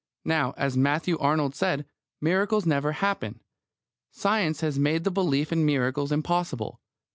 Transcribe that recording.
Now, as Matthew Arnold said, miracles never happen. Science has made the belief in miracles impossible.